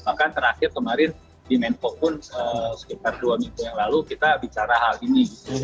bahkan terakhir kemarin di menko pun sekitar dua minggu yang lalu kita bicara hal ini